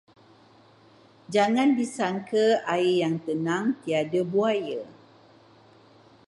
Jangan disangka air yang tenang tiada buaya.